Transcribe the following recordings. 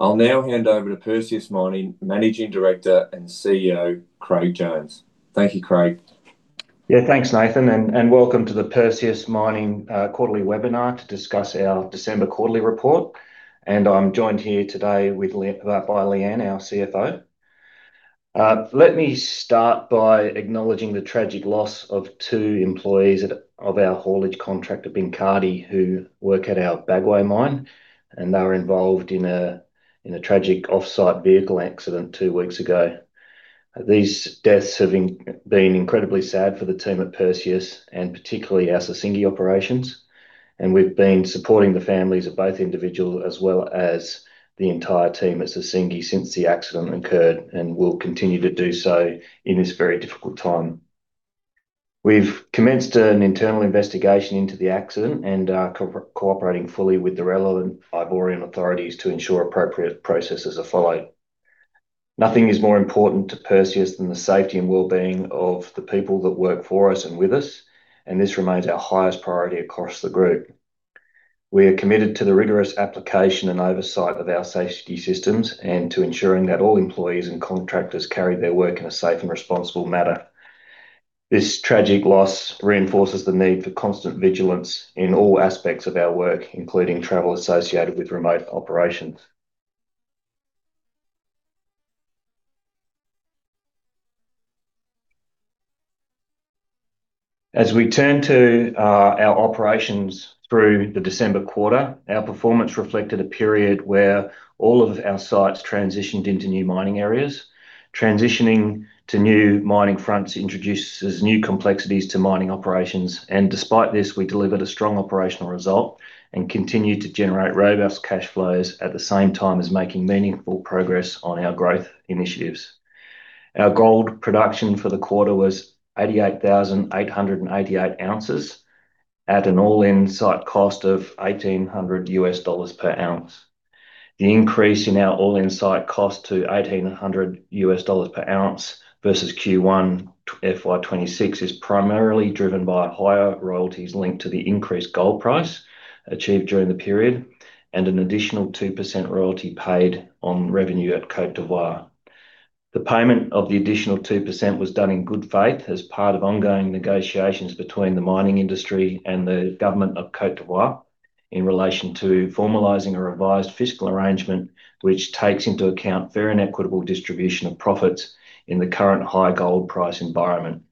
I'll now hand over to Perseus Mining Managing Director and CEO, Craig Jones. Thank you, Craig. Yeah, thanks, Nathan, and welcome to the Perseus Mining quarterly webinar to discuss our December quarterly report. I'm joined here today by Lee-Anne, our CFO. Let me start by acknowledging the tragic loss of two employees of our haulage contractor, Benkadi, who work at our Bagoué mine, and they were involved in a tragic off-site vehicle accident two weeks ago. These deaths have been incredibly sad for the team at Perseus, and particularly our Sissingué operations, and we've been supporting the families of both individuals, as well as the entire team at Sissingué since the accident occurred, and will continue to do so in this very difficult time. We've commenced an internal investigation into the accident and are cooperating fully with the relevant Ivorian authorities to ensure appropriate processes are followed. Nothing is more important to Perseus than the safety and well-being of the people that work for us and with us, and this remains our highest priority across the group. We are committed to the rigorous application and oversight of our safety systems and to ensuring that all employees and contractors carry their work in a safe and responsible manner. This tragic loss reinforces the need for constant vigilance in all aspects of our work, including travel associated with remote operations. As we turn to our operations through the December quarter, our performance reflected a period where all of our sites transitioned into new mining areas. Transitioning to new mining fronts introduces new complexities to mining operations, and despite this, we delivered a strong operational result and continued to generate robust cash flows, at the same time as making meaningful progress on our growth initiatives. Our gold production for the quarter was 88,888 oz, at an all-in-site cost of $1,800 per oz. The increase in our all-in-site cost to $1,800 per oz versus Q1 FY 2026 is primarily driven by higher royalties linked to the increased gold price achieved during the period, and an additional 2% royalty paid on revenue at Côte d'Ivoire. The payment of the additional 2% was done in good faith as part of ongoing negotiations between the mining industry and the government of Côte d'Ivoire in relation to formalizing a revised fiscal arrangement, which takes into account fair and equitable distribution of profits in the current high gold price environment.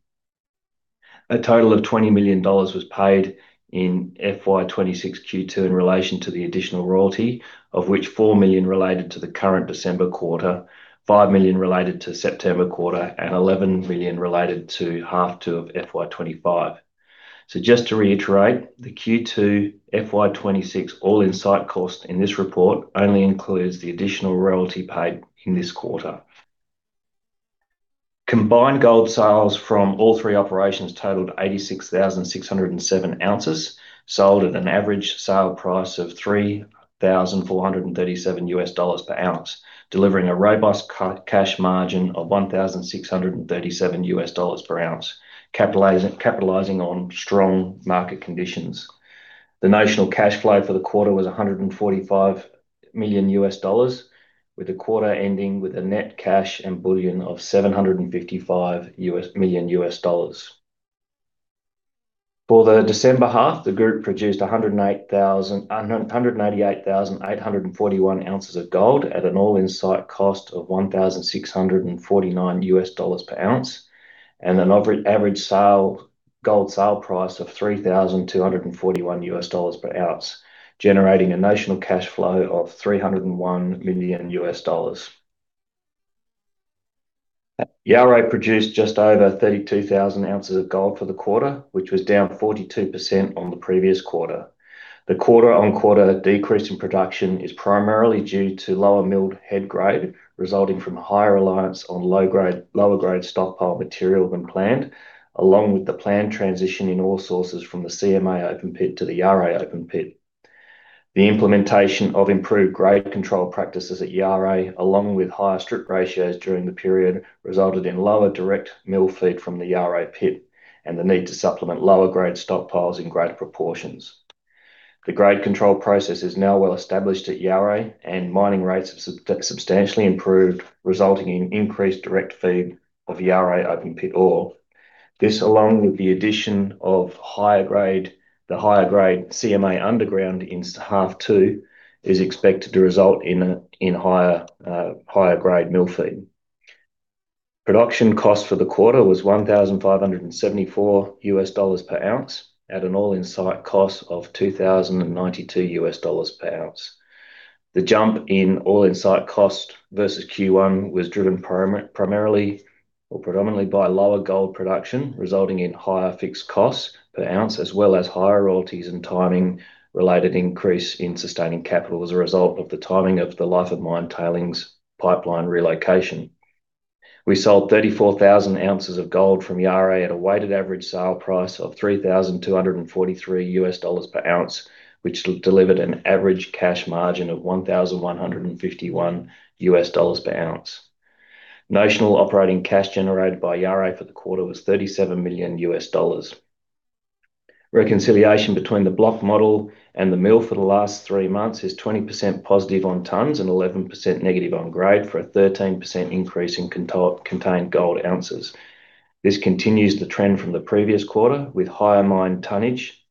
A total of $20 million was paid in FY 2026 Q2 in relation to the additional royalty, of which $4 million related to the current December quarter, $5 million related to September quarter, and $11 million related to H2 of FY 2025. So just to reiterate, the Q2 FY 2026 all-in site cost in this report only includes the additional royalty paid in this quarter. Combined gold sales from all three operations totaled 86,607 oz, sold at an average sale price of $3,437 per oz, delivering a robust cash margin of $1,637 per oz, capitalizing on strong market conditions. The notional cash flow for the quarter was $145 million, with the quarter ending with a net cash and bullion of $755 million. For the December half, the group produced 188,841 ounces of gold at an all-in site cost of $1,649 per ounce, and an average gold sale price of $3,241 per oz, generating a notional cash flow of $301 million. Yaouré produced just over 32,000 oz of gold for the quarter, which was down 42% on the previous quarter. The quarter-on-quarter decrease in production is primarily due to lower mill head grade, resulting from higher reliance on lower grade stockpile material than planned, along with the planned transition in ore sources from the CMA open pit to the Yaouré open pit. The implementation of improved grade control practices at Yaouré, along with higher strip ratios during the period, resulted in lower direct mill feed from the Yaouré pit and the need to supplement lower grade stockpiles in greater proportions. The grade control process is now well established at Yaouré, and mining rates have substantially improved, resulting in increased direct feed of Yaouré open pit ore. This, along with the addition of higher grade, the higher grade CMA underground in half two, is expected to result in higher grade mill feed. Production cost for the quarter was $1,574 per oz at an all-in-site cost of $2,092 per oz. The jump in all-in-site cost versus Q1 was driven primarily or predominantly by lower gold production, resulting in higher fixed costs per ounce, as well as higher royalties and timing-related increase in sustaining capital as a result of the timing of the life of mine tailings pipeline relocation. We sold 34,000 oz of gold from Yaouré at a weighted average sale price of $3,243 per ounce, which delivered an average cash margin of $1,151 per ounce. Notional operating cash generated by Yaouré for the quarter was $37 million. Reconciliation between the block model and the mill for the last three months is 20% positive on tons and 11% negative on grade, for a 13% increase in contained gold ounces. This continues the trend from the previous quarter, with higher mine tonnage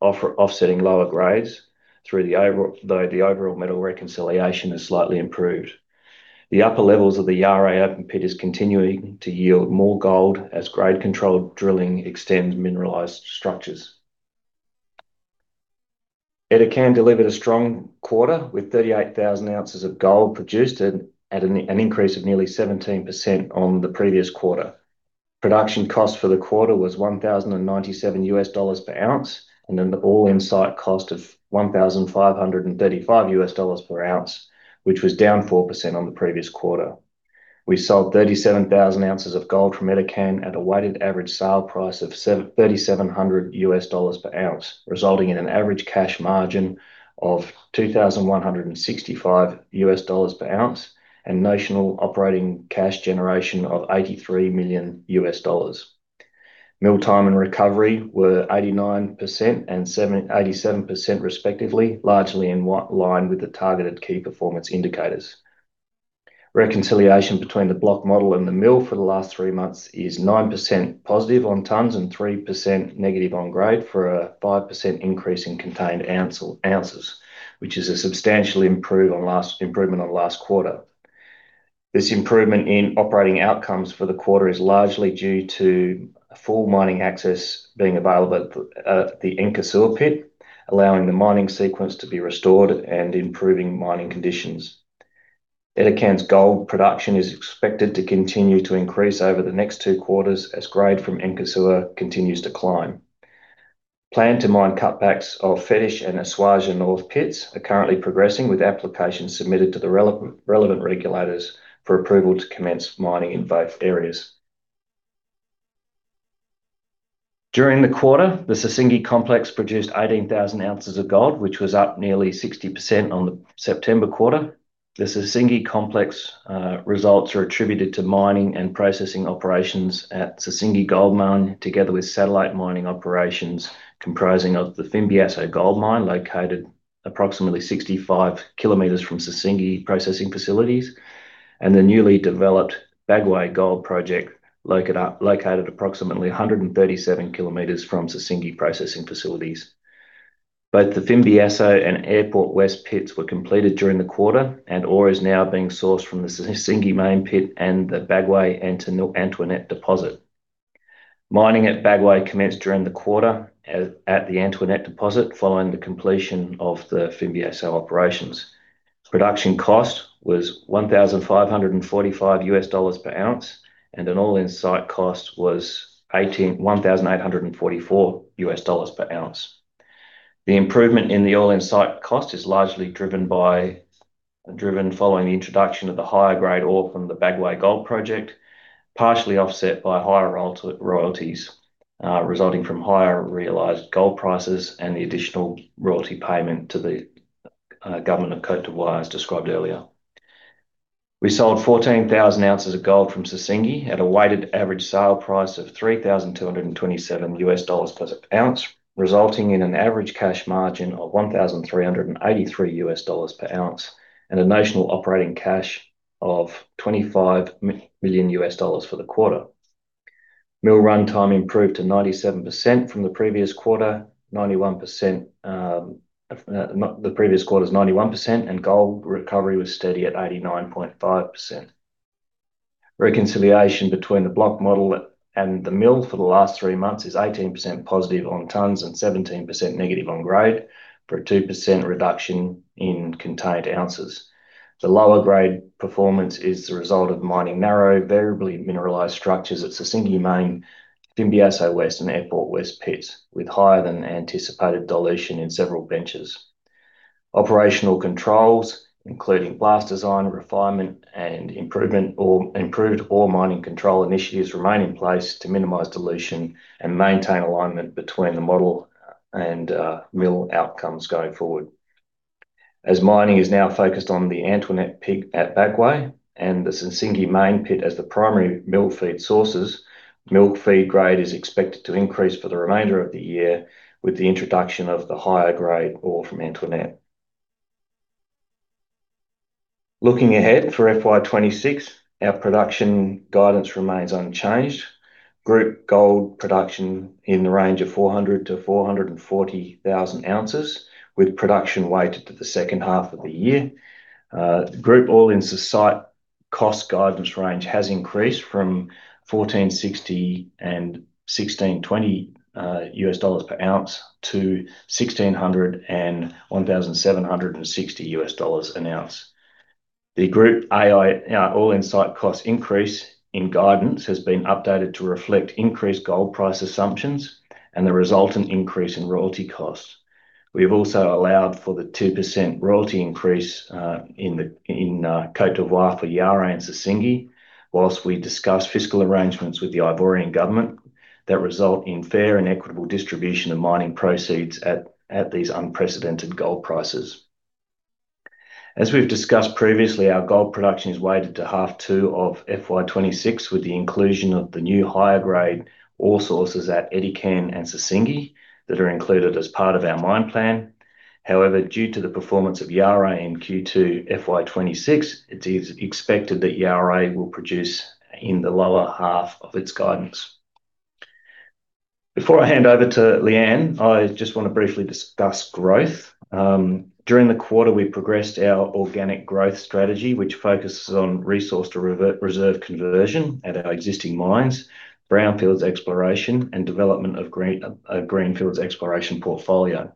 offsetting lower grades though the overall metal reconciliation is slightly improved. The upper levels of the Yaouré open pit is continuing to yield more gold as grade control drilling extends mineralized structures. Edikan delivered a strong quarter, with 38,000 oz of gold produced at an increase of nearly 17% on the previous quarter. Production cost for the quarter was $1,097 per ounce, and an all-in site cost of $1,535 per ounce, which was down 4% on the previous quarter. We sold 37,000 oz of gold from Edikan at a weighted average sale price of $2,700 per ounce, resulting in an average cash margin of $2,165 per ounce and notional operating cash generation of $83 million. Mill time and recovery were 89% and 87% respectively, largely in line with the targeted key performance indicators. Reconciliation between the block model and the mill for the last three months is 9% positive on tons and 3% negative on grade, for a 5% increase in contained ounce or ounces, which is a substantial improvement on last quarter. This improvement in operating outcomes for the quarter is largely due to full mining access being available at the Nkosuo pit, allowing the mining sequence to be restored and improving mining conditions. Edikan's gold production is expected to continue to increase over the next two quarters as grade from Nkosuo continues to climb. Plan to mine cutbacks of Fetish and Esuajah North pits are currently progressing, with applications submitted to the relevant regulators for approval to commence mining in both areas. During the quarter, the Sissingué Complex produced 18,000 oz of gold, which was up nearly 60% on the September quarter. The Sissingué Complex results are attributed to mining and processing operations at Sissingué Gold Mine, together with satellite mining operations comprising of the Fimbiasso Gold Mine, located approximately 65km from Sissingué processing facilities, and the newly developed Bagoué Gold Project, located approximately 137km from Sissingué processing facilities. Both the Fimbiasso and Airport West pits were completed during the quarter, and ore is now being sourced from the Sissingué main pit and the Bagoué and Antoinette deposit. Mining at Bagoué commenced during the quarter at the Antoinette deposit, following the completion of the Fimbiasso operations. Production cost was $1,545 per ounce, and an all-in site cost was $1,844 per ounce. The improvement in the all-in site cost is largely driven by, driven following the introduction of the higher grade ore from the Bagoué Gold Project, partially offset by higher royalties, resulting from higher realized gold prices and the additional royalty payment to the, government of Côte d'Ivoire, as described earlier. We sold 14,000 oz of gold from Sissingué at a weighted average sale price of $3,227 per ounce, resulting in an average cash margin of $1,383 per ounce, and a notional operating cash of $25 million for the quarter. Mill runtime improved to 97% from the previous quarter, 91%, the previous quarter is 91%, and gold recovery was steady at 89.5%. Reconciliation between the block model and the mill for the last three months is 18% positive on tons and 17% negative on grade, for a 2% reduction in contained ounces. The lower grade performance is the result of mining narrow, variably mineralized structures at Sissingué main, Fimbiasso West, and Airport West pits, with higher than anticipated dilution in several benches. Operational controls, including blast design, refinement, and improvement, or improved ore mining control initiatives, remain in place to minimize dilution and maintain alignment between the model and mill outcomes going forward. As mining is now focused on the Antoinette pit at Bagoué and the Sissingué main pit as the primary mill feed sources, mill feed grade is expected to increase for the remainder of the year with the introduction of the higher grade ore from Antoinette. Looking ahead, for FY 2026, our production guidance remains unchanged. Group gold production in the range of 400,000 oz-440,000 oz, with production weighted to the second half of the year. The group all-in site cost guidance range has increased from $1,460-$1,620 per ounce to $1,600-$1,760 per ounce. The group AI, all-in-site cost increase in guidance has been updated to reflect increased gold price assumptions and the resultant increase in royalty costs. We have also allowed for the 2% royalty increase in Côte d'Ivoire for Yaouré and Sissingué, while we discuss fiscal arrangements with the Ivorian government that result in fair and equitable distribution of mining proceeds at these unprecedented gold prices. As we've discussed previously, our gold production is weighted to H2 of FY 2026, with the inclusion of the new higher grade ore sources at Edikan and Sissingué that are included as part of our mine plan. However, due to the performance of Yaouré in Q2 FY 2026, it is expected that Yaouré will produce in the lower half of its guidance. Before I hand over to Lee-Anne, I just want to briefly discuss growth. During the quarter, we progressed our organic growth strategy, which focuses on resource to reserve conversion at our existing mines, brownfields exploration, and development of greenfields exploration portfolio.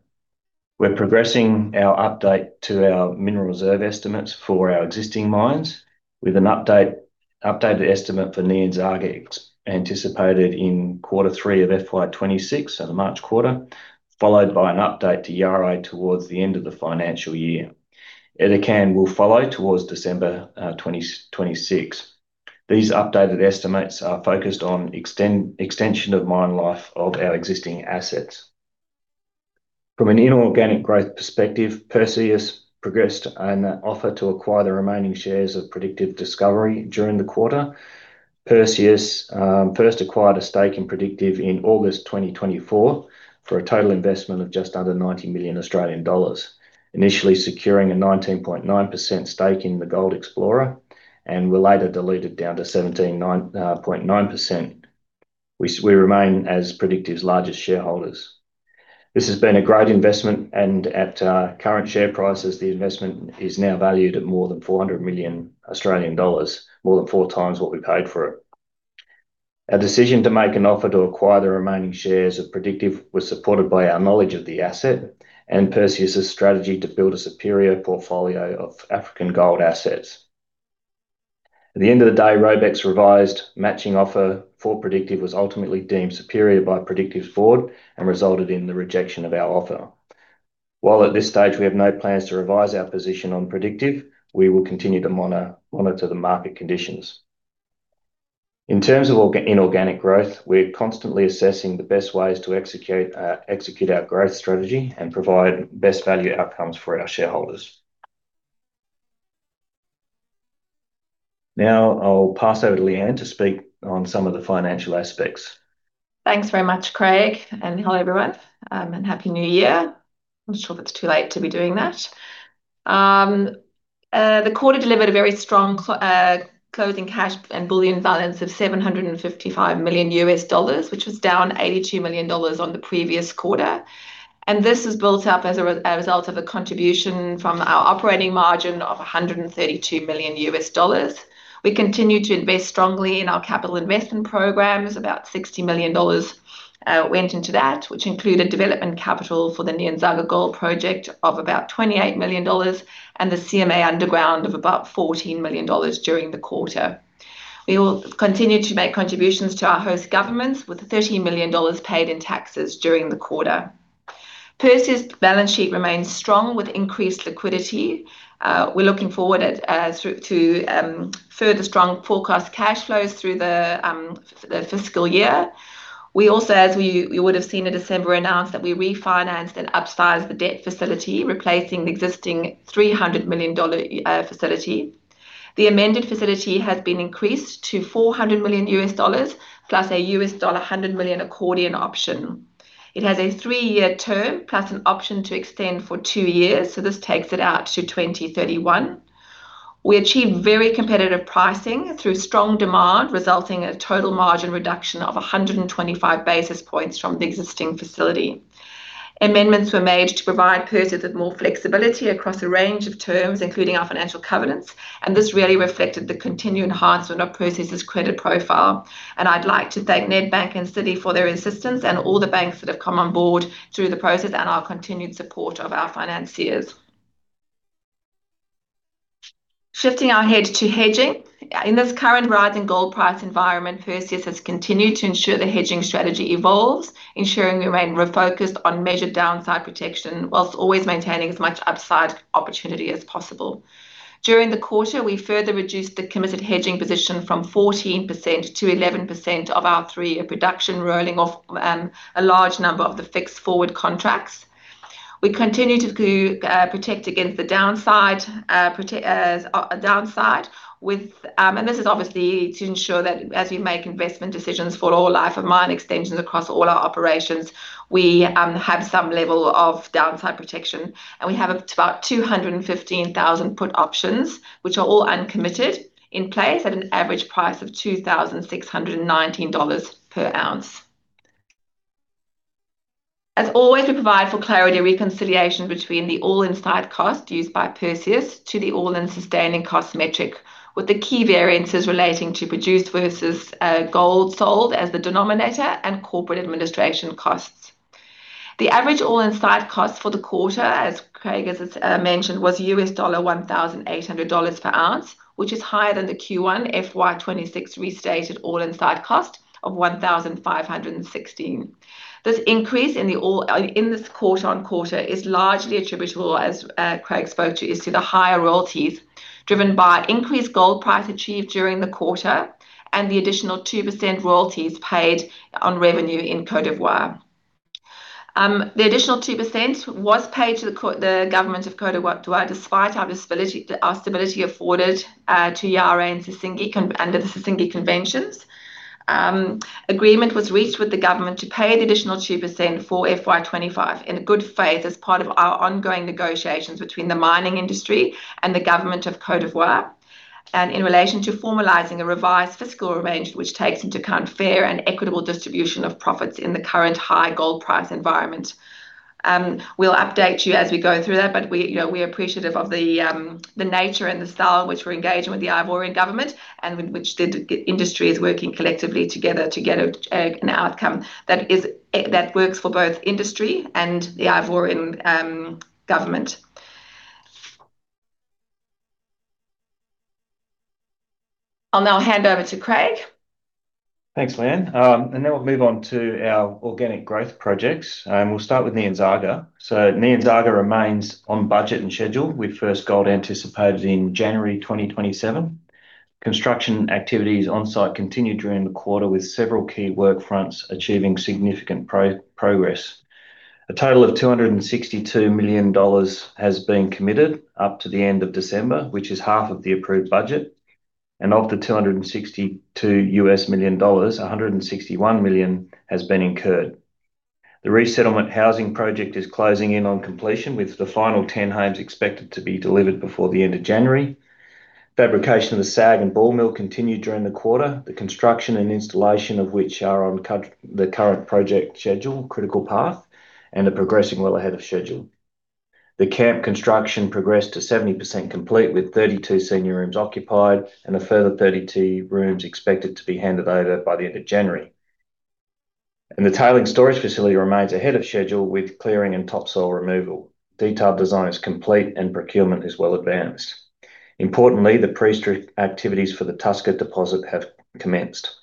We're progressing our update to our mineral reserve estimates for our existing mines, with an updated estimate for Nyanzaga anticipated in quarter three of FY 2026, so the March quarter, followed by an update to Yaouré towards the end of the financial year. Edikan will follow towards December 2026. These updated estimates are focused on extension of mine life of our existing assets. From an inorganic growth perspective, Perseus progressed an offer to acquire the remaining shares of Predictive Discovery during the quarter. Perseus first acquired a stake in Predictive in August 2024, for a total investment of just under 90 million Australian dollars. Initially securing a 19.9% stake in the gold explorer and were later diluted down to 17.9%. We, we remain as Predictive's largest shareholders. This has been a great investment, and at current share prices, the investment is now valued at more than 400 million Australian dollars, more than four times what we paid for it. Our decision to make an offer to acquire the remaining shares of Predictive was supported by our knowledge of the asset and Perseus's strategy to build a superior portfolio of African gold assets. At the end of the day, Robex revised matching offer for Predictive was ultimately deemed superior by Predictive's board and resulted in the rejection of our offer. While at this stage we have no plans to revise our position on Predictive, we will continue to monitor, monitor the market conditions. In terms of organic inorganic growth, we're constantly assessing the best ways to execute our growth strategy and provide best value outcomes for our shareholders. Now I'll pass over to Lee-Anne to speak on some of the financial aspects. Thanks very much, Craig, and hello, everyone, and Happy New Year. I'm not sure if it's too late to be doing that. The quarter delivered a very strong closing cash and bullion balance of $755 million, which was down $82 million on the previous quarter. This is built up as a result of a contribution from our operating margin of $132 million. We continued to invest strongly in our capital investment programs. About $60 million went into that, which included development capital for the Nyanzaga Gold Project of about $28 million and the CMA underground of about $14 million during the quarter. We will continue to make contributions to our host governments, with $13 million paid in taxes during the quarter. Perseus's balance sheet remains strong, with increased liquidity. We're looking forward to further strong forecast cash flows through the fiscal year. We also, as we would have seen in December, announced that we refinanced and upsized the debt facility, replacing the existing $300 million facility. The amended facility has been increased to $400 million, plus a $100 million accordion option. It has a 3-year term, plus an option to extend for 2 years, so this takes it out to 2031. We achieved very competitive pricing through strong demand, resulting in a total margin reduction of 125 basis points from the existing facility. Amendments were made to provide Perseus with more flexibility across a range of terms, including our financial covenants, and this really reflected the continued enhancement of Perseus's credit profile. I'd like to thank Nedbank and Citi for their assistance and all the banks that have come on board through the process and our continued support of our financiers. Shifting our head to hedging. In this current rising gold price environment, Perseus has continued to ensure the hedging strategy evolves, ensuring we remain refocused on measured downside protection, while always maintaining as much upside opportunity as possible. During the quarter, we further reduced the committed hedging position from 14%-11% of our three-year production, rolling off a large number of the fixed forward contracts. We continue to protect against the downside with. This is obviously to ensure that as we make investment decisions for all life of mine extensions across all our operations, we have some level of downside protection, and we have about 215,000 put options, which are all uncommitted, in place at an average price of $2,619 per ounce. As always, we provide for clarity, reconciliation between the all-in site cost used by Perseus to the all-in sustaining cost metric, with the key variances relating to produced versus gold sold as the denominator and corporate administration costs. The average all-in site cost for the quarter, as Craig has mentioned, was $1,800 per ounce, which is higher than the Q1 FY 2026 restated all-in site cost of $1,516. This increase in the all-in, in this quarter-on-quarter is largely attributable, as Craig spoke to, is to the higher royalties driven by increased gold price achieved during the quarter and the additional 2% royalties paid on revenue in Côte d'Ivoire. The additional 2% was paid to the government of Côte d'Ivoire, despite our stability, our stability afforded to Yaouré and Sissingué under the Sissingué conventions. Agreement was reached with the government to pay the additional 2% for FY 2025 in good faith as part of our ongoing negotiations between the mining industry and the government of Côte d'Ivoire, and in relation to formalising the revised fiscal arrangement, which takes into account fair and equitable distribution of profits in the current high gold price environment. We'll update you as we go through that, but we, you know, we're appreciative of the nature and the style in which we're engaging with the Ivorian government and with which the industry is working collectively together to get an outcome that works for both industry and the Ivorian government. I'll now hand over to Craig. Thanks, Lee-Anne. And then we'll move on to our organic growth projects, and we'll start with Nyanzaga. So Nyanzaga remains on budget and schedule, with first gold anticipated in January 2027. Construction activities on site continued during the quarter, with several key work fronts achieving significant progress. A total of $262 million has been committed up to the end of December, which is half of the approved budget. And of the $262 million, $161 million has been incurred. The resettlement housing project is closing in on completion, with the final 10 homes expected to be delivered before the end of January. Fabrication of the SAG and ball mill continued during the quarter, the construction and installation of which are on the current project schedule, critical path, and are progressing well ahead of schedule. The camp construction progressed to 70% complete, with 32 senior rooms occupied and a further 32 rooms expected to be handed over by the end of January. The tailings storage facility remains ahead of schedule with clearing and topsoil removal. Detailed design is complete, and procurement is well advanced. Importantly, the pre-strip activities for the Tusker deposit have commenced.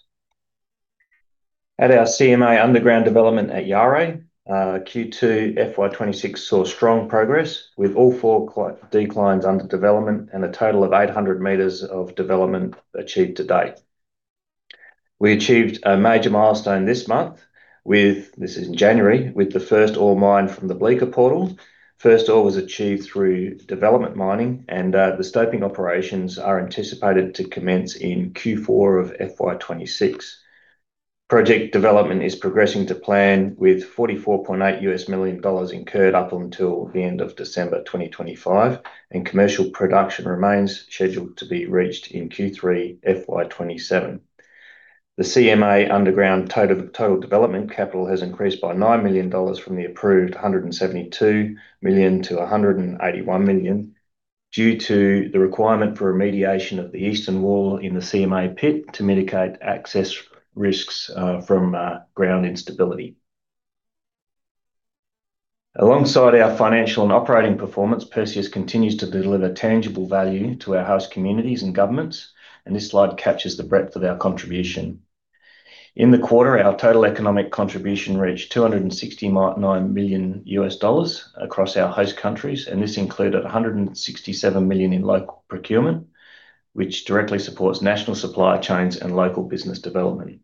At our CMA underground development at Yaouré, Q2 FY 2026 saw strong progress, with all four declines under development and a total of 800m of development achieved to date. We achieved a major milestone this month with, this is in January, with the first ore mined from the Bleeker portal. First ore was achieved through development mining, and the stoping operations are anticipated to commence in Q4 of FY 2026. Project development is progressing to plan, with $44.8 million incurred up until the end of December 2025, and commercial production remains scheduled to be reached in Q3 FY 2027. The CMA underground total, total development capital has increased by $9 million from the approved $172 million to $181 million, due to the requirement for remediation of the eastern wall in the CMA pit to mitigate access risks, from ground instability. Alongside our financial and operating performance, Perseus continues to deliver tangible value to our host communities and governments, and this slide captures the breadth of our contribution. In the quarter, our total economic contribution reached $269 million across our host countries, and this included $167 million in local procurement, which directly supports national supply chains and local business development.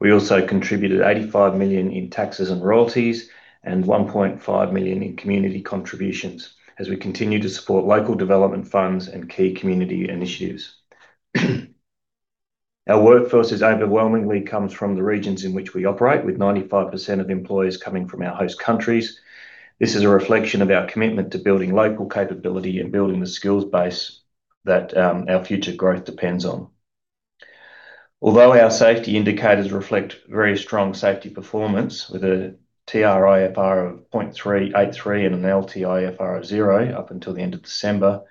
We also contributed $85 million in taxes and royalties and $1.5 million in community contributions as we continue to support local development funds and key community initiatives. Our workforce is overwhelmingly comes from the regions in which we operate, with 95% of employees coming from our host countries. This is a reflection of our commitment to building local capability and building the skills base that our future growth depends on. Although our safety indicators reflect very strong safety performance, with a TRIFR of 0.383 and an LTIFR of 0 up until the end of December,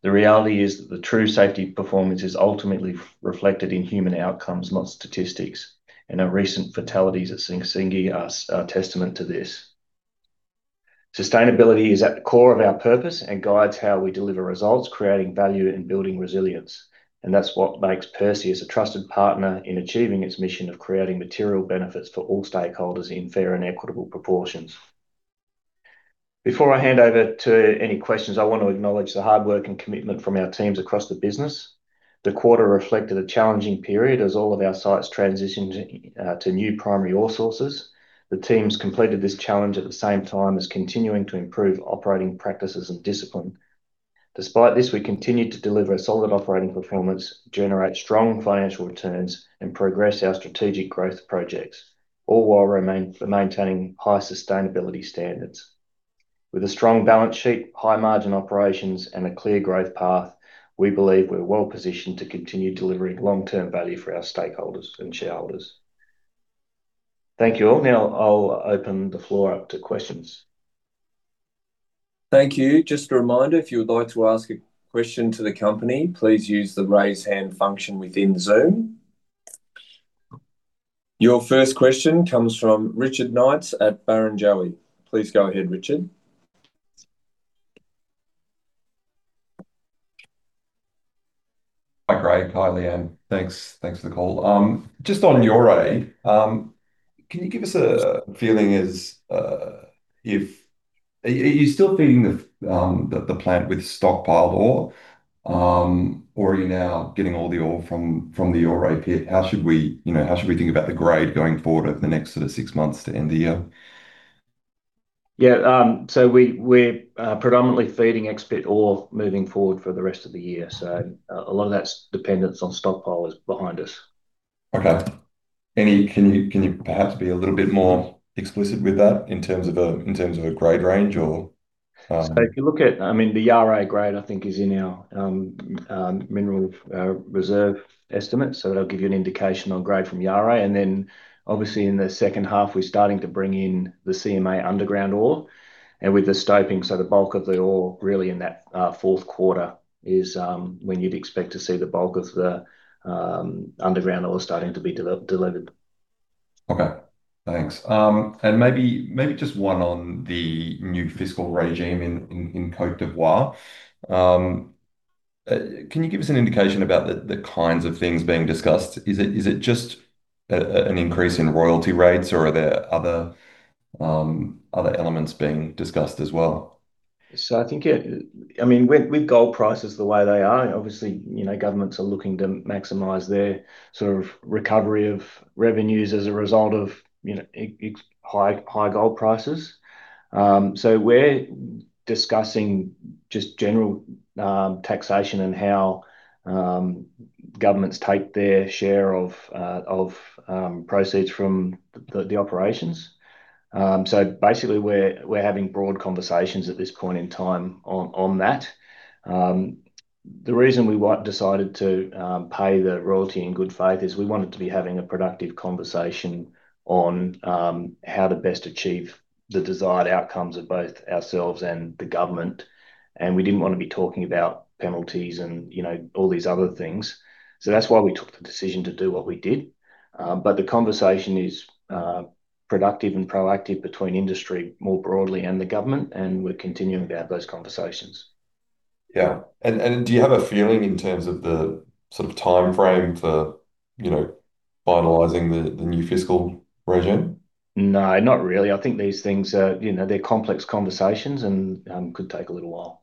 the reality is that the true safety performance is ultimately reflected in human outcomes, not statistics, and our recent fatalities at Sissingué are a testament to this. Sustainability is at the core of our purpose and guides how we deliver results, creating value, and building resilience, and that's what makes Perseus a trusted partner in achieving its mission of creating material benefits for all stakeholders in fair and equitable proportions. Before I hand over to any questions, I want to acknowledge the hard work and commitment from our teams across the business. The quarter reflected a challenging period as all of our sites transitioned to new primary ore sources. The teams completed this challenge at the same time as continuing to improve operating practices and discipline. Despite this, we continued to deliver a solid operating performance, generate strong financial returns, and progress our strategic growth projects, all while maintaining high sustainability standards. With a strong balance sheet, high-margin operations, and a clear growth path, we believe we're well positioned to continue delivering long-term value for our stakeholders and shareholders. Thank you, all. Now I'll open the floor up to questions. Thank you. Just a reminder, if you would like to ask a question to the company, please use the Raise Hand function within Zoom. Your first question comes from Richard Knights at Barrenjoey. Please go ahead, Richard. Hi, Craig. Hi, Lee-Anne. Thanks, thanks for the call. Just on Yaouré, can you give us a feeling as if, are you still feeding the plant with stockpiled ore, or are you now getting all the ore from the ore pit? How should we, you know, how should we think about the grade going forward over the next sort of six months to end the year? Yeah. So we're predominantly feeding X pit ore moving forward for the rest of the year. So, a lot of that dependence on stockpile is behind us. Okay. Can you perhaps be a little bit more explicit with that in terms of a grade range or- So if you look at, I mean, the Yaouré grade, I think is in our mineral reserve estimate, so that'll give you an indication on grade from Yaouré. And then, obviously in the second half, we're starting to bring in the CMA underground ore. And with the stoping, so the bulk of the ore really in that fourth quarter is when you'd expect to see the bulk of the underground ore starting to be delivered. Okay, thanks. And maybe just one on the new fiscal regime in Côte d'Ivoire. Can you give us an indication about the kinds of things being discussed? Is it just an increase in royalty rates, or are there other elements being discussed as well? So I think, yeah, I mean, with gold prices the way they are, obviously, you know, governments are looking to maximize their sort of recovery of revenues as a result of, you know, high gold prices. So we're discussing just general taxation and how governments take their share of proceeds from the operations. So basically, we're having broad conversations at this point in time on that. The reason we decided to pay the royalty in good faith is we wanted to be having a productive conversation on how to best achieve the desired outcomes of both ourselves and the government, and we didn't want to be talking about penalties and, you know, all these other things. So that's why we took the decision to do what we did. The conversation is productive and proactive between industry more broadly and the government, and we're continuing to have those conversations. Yeah. And do you have a feeling in terms of the sort of timeframe for, you know, finalising the new fiscal regime? No, not really. I think these things are, you know, they're complex conversations and could take a little while.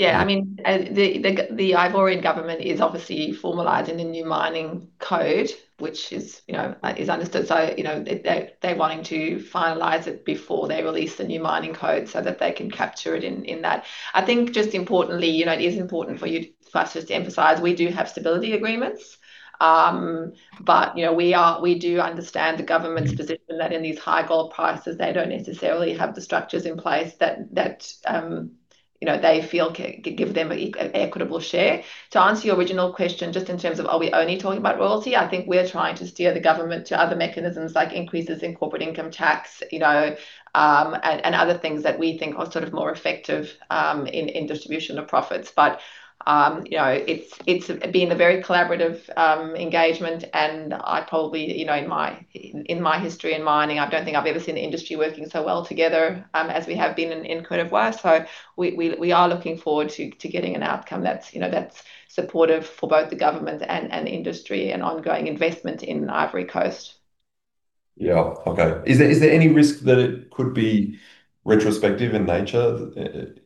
Yeah, I mean, the Ivorian government is obviously formalizing a new mining code, which is, you know, understood. So, you know, they are wanting to finalize it before they release the new mining code so that they can capture it in that. I think just importantly, you know, it is important for you, for us just to emphasize, we do have stability agreements. But, you know, we do understand the government's position that in these high gold prices, they don't necessarily have the structures in place that, you know, they feel can give them equitable share. To answer your original question, just in terms of are we only talking about royalty, I think we're trying to steer the government to other mechanisms, like increases in corporate income tax, you know, and other things that we think are sort of more effective, in distribution of profits. But, you know, it's been a very collaborative engagement, and I probably, you know, in my history in mining, I don't think I've ever seen the industry working so well together, as we have been in Côte d'Ivoire. So we are looking forward to getting an outcome that's, you know, that's supportive for both the government and industry and ongoing investment in Ivory Coast. Yeah. Okay. Is there any risk that it could be retrospective in nature?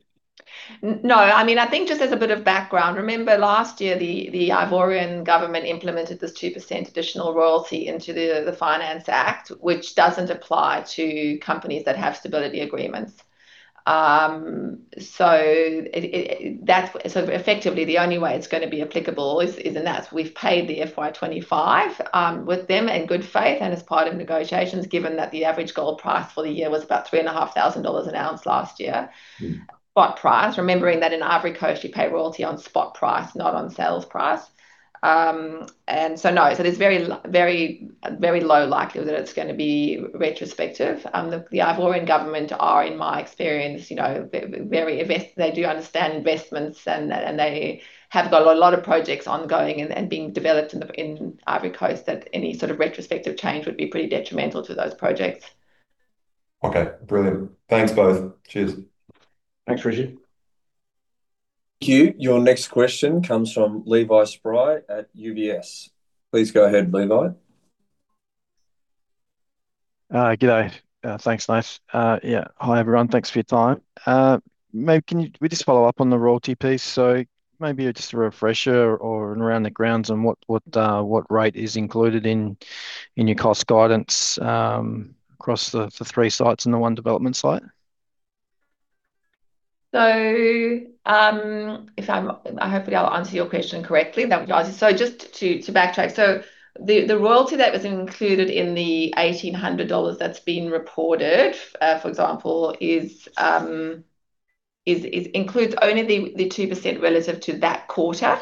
No, I mean, I think just as a bit of background, remember last year, the Ivorian government implemented this 2% additional royalty into the Finance Act, which doesn't apply to companies that have stability agreements. So effectively, the only way it's gonna be applicable is in that we've paid the FY 2025 with them in good faith and as part of negotiations, given that the average gold price for the year was about $3,500 an ounce last year. Spot price. Remembering that in Ivory Coast, you pay royalty on spot price, not on sales price. So there's very, very low likelihood that it's gonna be retrospective. The Ivorian government are, in my experience, you know, they do understand investments, and they have got a lot of projects ongoing and being developed in Ivory Coast, that any sort of retrospective change would be pretty detrimental to those projects. Okay, brilliant. Thanks, guys. Cheers. Thanks, Richie. Thank you. Your next question comes from Levi Spry at UBS. Please go ahead, Levi. Good day. Thanks, Nath. Yeah. Hi, everyone. Thanks for your time. Can we just follow up on the royalty piece? So maybe just a refresher or around the grounds on what, what, what rate is included in, in your cost guidance, across the three sites and the one development site. So, if I'm hopefully I'll answer your question correctly. That, so just to backtrack, so the royalty that was included in the $1,800 that's been reported, for example, includes only the 2% relative to that quarter.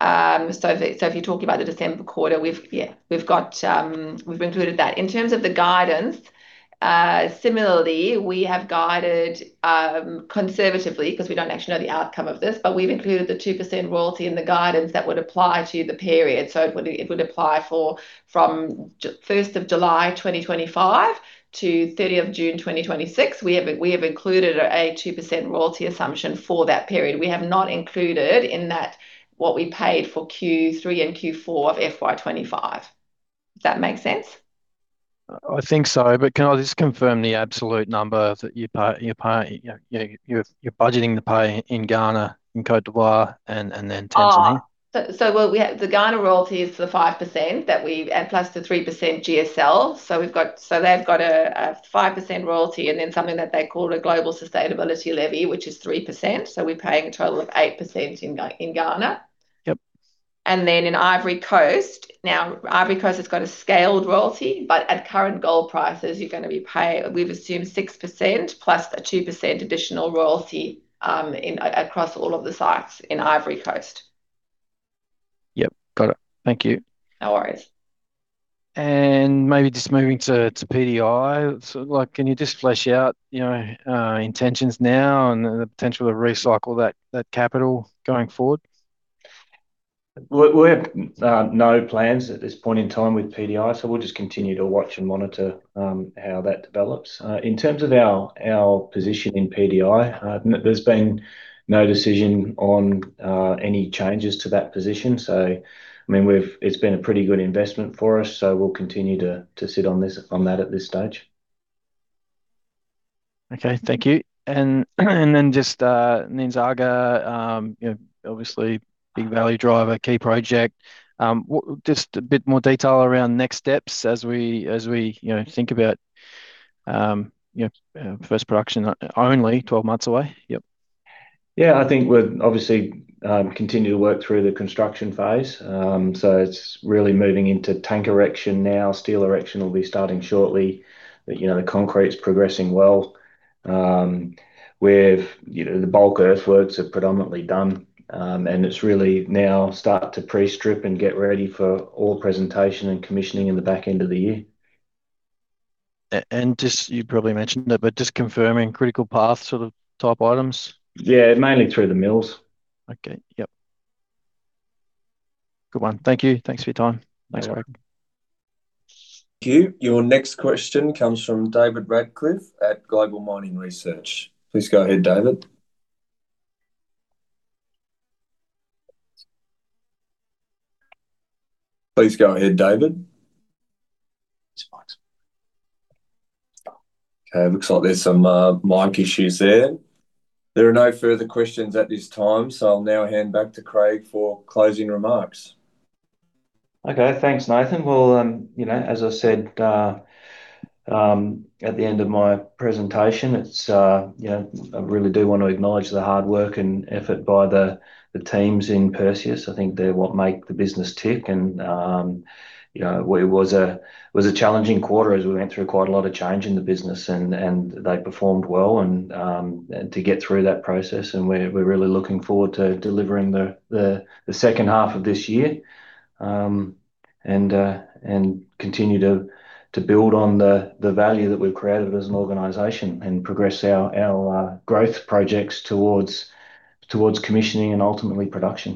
So if you're talking about the December quarter, we've got, we've included that. In terms of the guidance, similarly, we have guided conservatively, 'cause we don't actually know the outcome of this, but we've included the 2% royalty in the guidance that would apply to the period. So it would apply from first of July 2025 to thirtieth of June 2026. We have included a 2% royalty assumption for that period. We have not included in that what we paid for Q3 and Q4 of FY 2025. Does that make sense? I think so, but can I just confirm the absolute number that you're paying, you know, you're budgeting to pay in Ghana, in Côte d'Ivoire, and then Tanzania? Oh, so, well, we have the Ghana royalty is the 5% that we, and plus the 3% GSL. So we've got so they've got a 5% royalty, and then something that they call a global sustainability levy, which is 3%, so we're paying a total of 8% in Ghana. Yep. Then in Ivory Coast. Now, Ivory Coast has got a scaled royalty, but at current gold prices, you're gonna pay, we've assumed 6% plus a 2% additional royalty, in across all of the sites in Ivory Coast. Yep, got it. Thank you. No worries. And maybe just moving to PDI. So like, can you just flesh out, you know, intentions now and the potential to recycle that capital going forward? Well, we have no plans at this point in time with PDI, so we'll just continue to watch and monitor how that develops. In terms of our position in PDI, there's been no decision on any changes to that position. So, I mean, we've, it's been a pretty good investment for us, so we'll continue to sit on this, on that at this stage. Okay. Thank you. And then just Nyanzaga, you know, obviously big value driver, key project. Just a bit more detail around next steps as we, you know, think about, you know, first production only 12 months away. Yep. Yeah, I think we'll obviously continue to work through the construction phase. So it's really moving into tank erection now. Steel erection will be starting shortly. But, you know, the concrete's progressing well. We've, you know, the bulk earthworks are predominantly done, and it's really now start to pre-strip and get ready for ore presentation and commissioning in the back end of the year. Just, you probably mentioned it, but just confirming critical path sort of type items? Yeah, mainly through the mills. Okay. Yep. Good one. Thank you. Thanks for your time. No worries. Thanks, Craig. Thank you. Your next question comes from David Radclyffe at Global Mining Research. Please go ahead, David. Please go ahead, David. Okay, looks like there's some mic issues there. There are no further questions at this time, so I'll now hand back to Craig for closing remarks. Okay. Thanks, Nathan. Well, you know, as I said, at the end of my presentation, it's, you know, I really do want to acknowledge the hard work and effort by the, the teams in Perseus. I think they're what make the business tick, and, you know, it was a, it was a challenging quarter as we went through quite a lot of change in the business and, and they performed well, and, and to get through that process, and we're, we're really looking forward to delivering the, the, the second half of this year. And, and continue to, to build on the, the value that we've created as an organization and progress our, our, growth projects towards, towards commissioning and ultimately production.